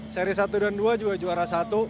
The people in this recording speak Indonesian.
seri satu dan dua juga juara satu